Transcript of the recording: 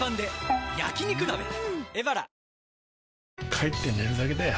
帰って寝るだけだよ